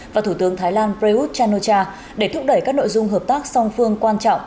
và thủ tướng thái lan prayuth chan o cha để thúc đẩy các nội dung hợp tác song phương quan trọng